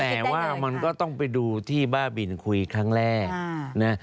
แต่ว่ามันก็ต้องไปดูที่บ้าบินคุยครั้งแรกนะ